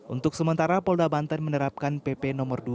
untuk sementara polda banten menerapkan pp nomor dua